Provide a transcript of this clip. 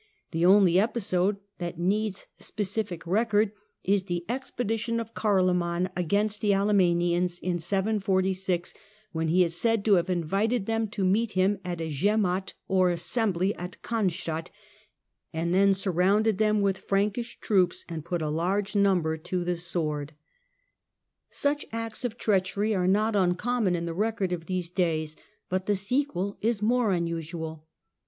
The only episode that needs specific record is the expe dition of Carloman against the Alemannians in 746, when he is said to have invited them to meet him at a gemot, or assembly, at Cannstadt, and then surrounded them with Frankish troops and put a large number to PIPPIN, KING OF THE FRANKS H5 the sword. Such acts of treachery are not uncommon in the record of these days, but the sequel is more unusual.